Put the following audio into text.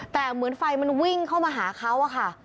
แต่เหมือนไฟมันวิ่งเข้ามาหาเขาอะค่ะ